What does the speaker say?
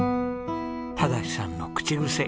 忠さんの口癖